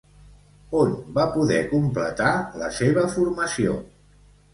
On va poder completar la seva formació?